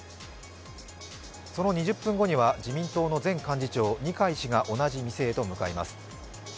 その２０分後には自民党の前幹事長、二階氏が同じ店へと向かいます。